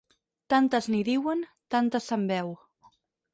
Tantes n'hi diuen, tantes se'n beu.